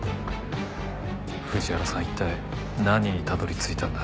藤原さん一体何にたどり着いたんだ？